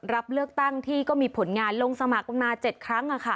รับเลือกตั้งที่ก็มีผลงานลงสมัครมา๗ครั้ง